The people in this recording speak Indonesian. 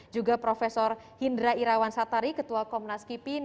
juga prof hindra irawan satari ketua komnas kipin